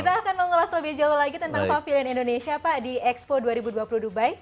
kita akan mengulas lebih jauh lagi tentang pavilion indonesia pak di expo dua ribu dua puluh dubai